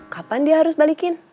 kapan dia harus balikin